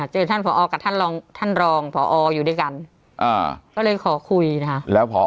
เจอท่านผอกับท่านรองผออยู่ด้วยกันก็เลยขอคุยนะแล้วผอ